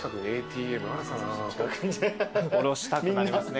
下ろしたくなりますね。